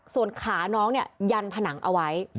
ส่วนขาน้องเนี่ยยันผนังเอาไว้